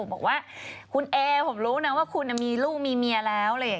บอกว่าคุณเอ๊ยผมรู้นะว่าคุณมีลูกมีเมียแล้ว